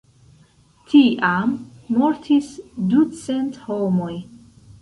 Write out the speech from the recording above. Tiam mortis ducent homoj.